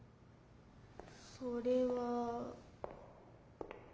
それは。